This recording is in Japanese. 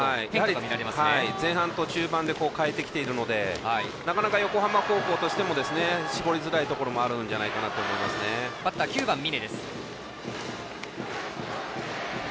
前半と中盤で変えてきているのでなかなか横浜高校としても絞りづらいところもバッター、９番、峯。